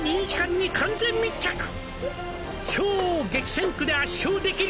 「超激戦区で圧勝できる」